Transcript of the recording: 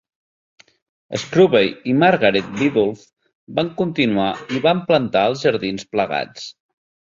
Scrubey i Margaret Biddulph van continuar i van plantar els jardins plegats.